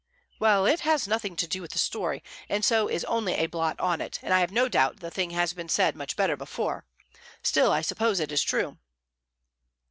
"Well, it has nothing to do with the story, and so is only a blot on it, and I have no doubt the thing has been said much better before. Still, I suppose it is true."